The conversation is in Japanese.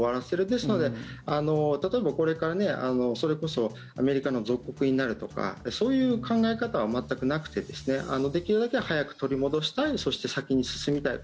ですので、例えばこれからそれこそアメリカの属国になるとかそういう考え方は全くなくてできるだけ早く取り戻したいそして、先に進みたい。